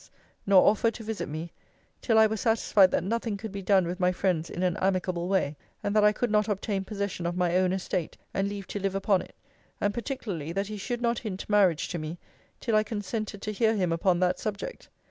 's; nor offer to visit me, till I were satisfied that nothing could be done with my friends in an amicable way; and that I could not obtain possession of my own estate, and leave to live upon it: and particularly, that he should not hint marriage to me, till I consented to hear him upon that subject.